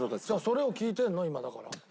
それを聞いてんの今だから。